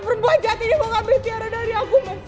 perempuan jahat ini mau ngambil tiara dari aku mas